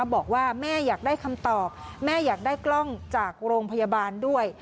บอกว่าแม่อยากได้คำตอบแม่อยากได้กล้องจากโรงพยาบาลด้วย